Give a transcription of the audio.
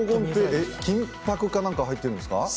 金ぱくか何か入ってるんですか？